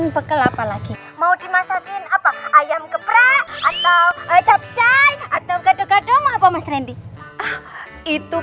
apapun kekel apa lagi mau dimasakin apa ayam ke pra atau capcay atau gadugadung apa mas rendi itu